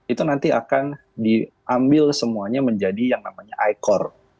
itu nanti akan diambil semuanya menjadi yang namanya i core